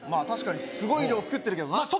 確かにすごい量作ってるけどな。